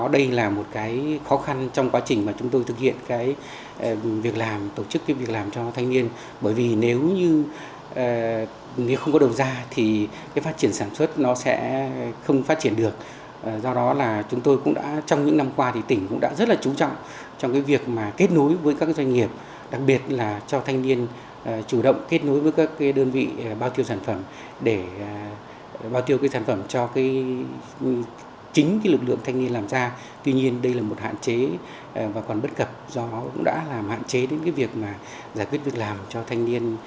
đây là một hạn chế và còn bất cập do nó cũng đã làm hạn chế đến việc giải quyết việc làm cho thanh niên có thu nhập trên địa bàn